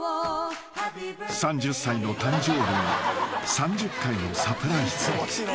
［３０歳の誕生日に３０回のサプライズ］